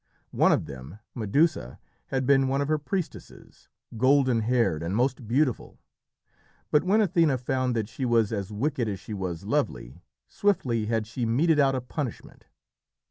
One of them, Medusa, had been one of her priestesses, golden haired and most beautiful, but when Athené found that she was as wicked as she was lovely, swiftly had she meted out a punishment.